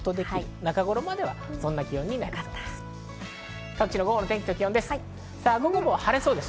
中ごろまでは、そんな気温になりそうです。